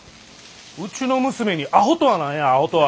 うちの娘にアホとは何やアホとは。